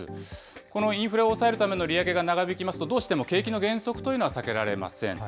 このインフレを抑えるための利上げが長引きますと、どうしても景気の減速というのは避けられません。